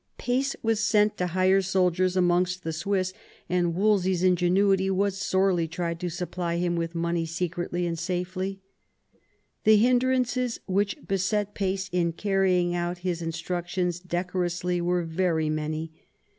Pace wsus sent to hire soldiers amongst the Swiss, and Wolsey's ingenuity was sorely tried to supply him with money secretly and safely. The hindrances which beset Pace in carrying out his instructions decorously were very many.